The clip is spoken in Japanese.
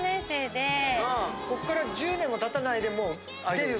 こっから１０年も経たないでもうアイドル。